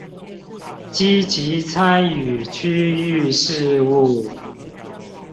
積極參與區域事務